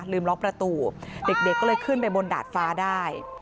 ล็อกประตูเด็กก็เลยขึ้นไปบนดาดฟ้าได้